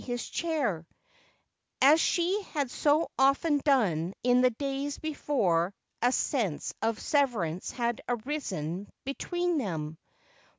235 his chair, as she had so often done in the days before a sense of severance had arisen between them.